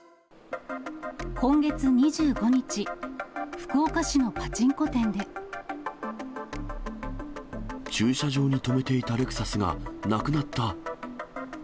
今月２５日、駐車場に止めていたレクサスがなくなった。